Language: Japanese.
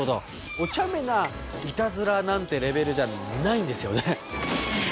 おちゃめなイタズラなんてレベルじゃないんですよね。